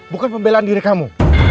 bukan pembelaan diri kamu